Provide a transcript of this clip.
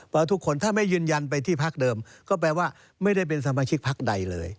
เพราะทุกคนถ้าไม่ยืนยันไปที่พักเดิมก็แปลว่าไม่ได้เป็นสมาชิกพักใดเลย